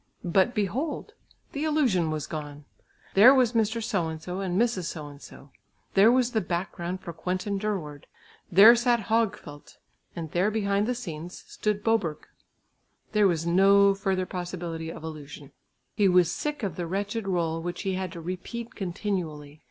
But behold! the illusion was gone! There was Mr. So and so and Mrs. So and so, there was the background for Quentin Durward, there sat Högfelt, and there behind the scenes, stood Boberg. There was no further possibility of illusion. He was sick of the wretched rôle which he had to repeat continually.